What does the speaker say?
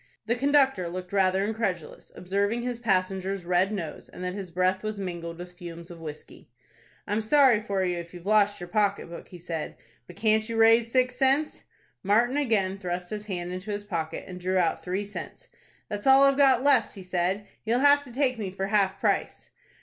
The conductor looked rather incredulous, observing his passenger's red nose, and that his breath was mingled with fumes of whiskey. "I'm sorry for you if you've lost your pocket book," he said; "but can't you raise six cents?" Martin again thrust his hand into his pocket, and drew out three cents. "That's all I've got left," he said. "You'll have to take me for half price."